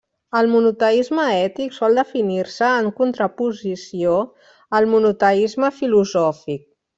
El monoteisme ètic sol definir-se en contraposició al monoteisme filosòfic.